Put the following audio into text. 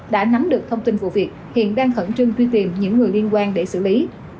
đã nắm được thông tin vụ việc hiện đang khẩn trương truy tìm những người liên quan để xử lý